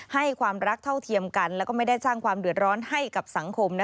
ให้ความรักเท่าเทียมกันแล้วก็ไม่ได้สร้างความเดือดร้อนให้กับสังคม